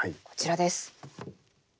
こちらです。